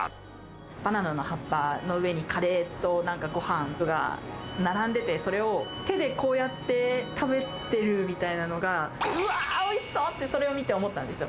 バナナの葉っぱの上にカレーとなんかごはんが並んでて、それを手でこうやって食べてるみたいなのが、うわー、おいしそうって、それを見て思ったんですよ。